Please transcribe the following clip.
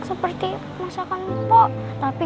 seperti masakan mpau